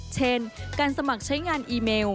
เช่นการสมัครใช้งานอีเมล